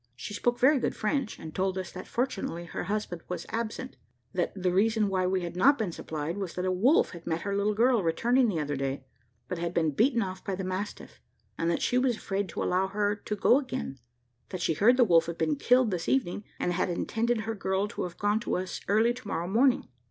She spoke very good French, and told us that fortunately her husband was absent; that the reason why we had not been supplied was, that a wolf had met her little girl returning the other day, but had been beaten off by the mastiff, and that she was afraid to allow her to go again; that she heard the wolf had been killed this evening, and had intended her girl to have gone to us early to morrow morning.